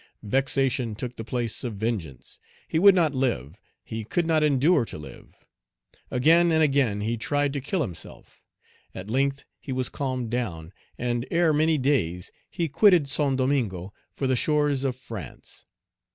Vexation took the place of vengeance. He would not live; he could not endure to live. Again and again he tried to kill himself. At length he was calmed down, and ere many days he quitted Saint Domingo for the shores of France.